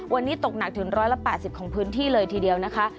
วันนี้ตกหนักถึง๑๘๐ของพื้นที่เลยทีเดียวนะคะ